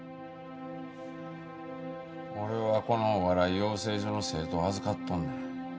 俺はこのお笑い養成所の生徒を預かっとんねん。